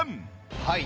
はい。